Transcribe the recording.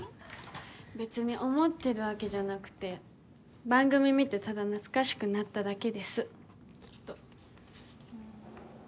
別に思ってるわけじゃなくて番組見てただ懐かしくなっただけですきっと。